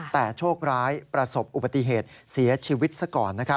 แต่โชคร้ายประสบอุบัติเหตุเสียชีวิตซะก่อน